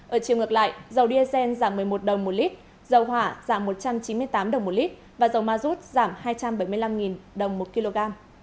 ở chiều ngược lại dầu diesel giảm một mươi một đồng một lít dầu hỏa giảm một trăm chín mươi tám đồng một lít và dầu ma rút giảm hai trăm bảy mươi năm đồng một kg